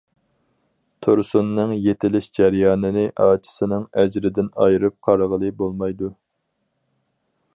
تۇرسۇننىڭ يېتىلىش جەريانىنى ئاچىسىنىڭ ئەجرىدىن ئايرىپ قارىغىلى بولمايدۇ.